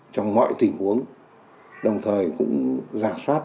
trong mọi tình huống đồng thời cũng giả soát